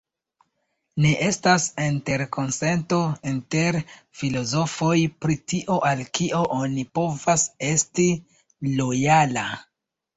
Ne estas interkonsento inter filozofoj pri tio al kio oni povas esti lojala.